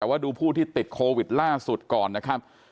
แต่ว่าดูผู้ที่ติดโควิดล่าสุดก่อนนะครับ